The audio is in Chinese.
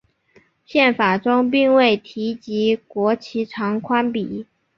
宪法中并未提及国旗长宽比。